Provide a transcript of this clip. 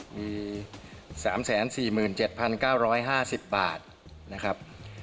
มี๓๔๗๙๕๐บาทนะครับ